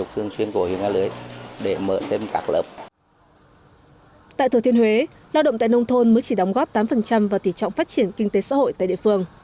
tại thừa thiên huế lao động tại nông thôn mới chỉ đóng góp tám vào tỉ trọng phát triển kinh tế xã hội tại địa phương